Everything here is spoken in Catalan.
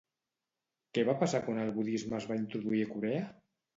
Què va passar quan el budisme es va introduir a Corea?